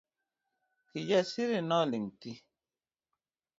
Kijasiri noling thii.